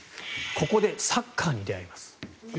ここでサッカーに出会います。